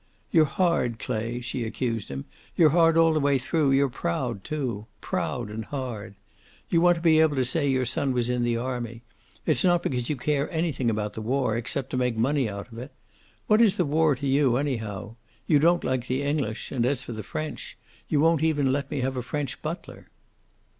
"You're hard, Clay," she accused him. "You're hard all the way through. You're proud, too. Proud and hard. You'd want to be able to say your son was in the army. It's not because you care anything about the war, except to make money out of it. What is the war to you, anyhow? You don't like the English, and as for French you don't even let me have a French butler."